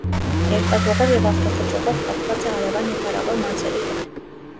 Երկաթուղով և ավտոխճուղով կապված է հարևան և հեռավոր մարզերի հետ։